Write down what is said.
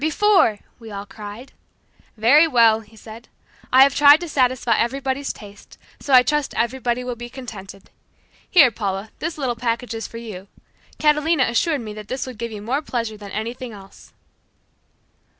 Before!" we all cried. "Very well," he said, "I have tried to satisfy everybody's taste, so I trust everybody will be contented. Here, Paula, this little package is for you. Catalina assured me that this would give you more pleasure than anything else."